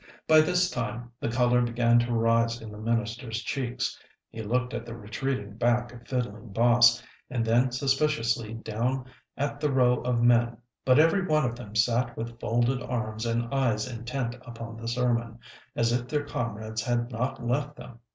By this time the color began to rise in the minister's cheeks. He looked at the retreating back of Fiddling Boss, and then suspiciously down at the row of men, but every one of them sat with folded arms and eyes intent upon the sermon, as if their comrades had not left them.